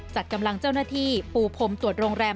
จัดกำลังเจ้าหน้าที่ปูพรมตรวจโรงแรม